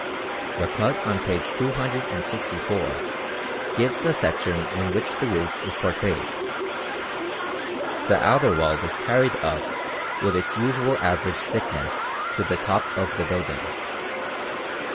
The cut on p. 264 gives a section in which the roof is portrayed. The outer wall is carried up with its usual average thickness to the top of the building.